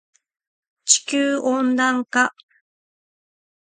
地球温暖化